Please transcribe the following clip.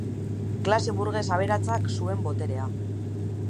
Klase burges aberatsak zuen boterea.